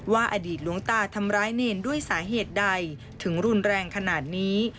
อดีตหลวงตาทำร้ายเนรด้วยสาเหตุใดถึงรุนแรงขนาดนี้